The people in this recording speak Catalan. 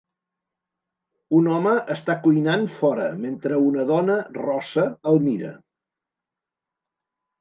Un home està cuinant fora mentre una dona rossa el mira.